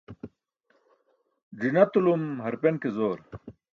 Ẓi̇natulum harpan ke zoor.